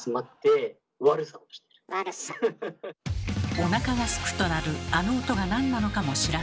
おなかがすくと鳴るあの音がなんなのかも知らずに。